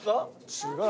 違う。